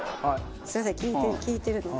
すみません聞いてるのに。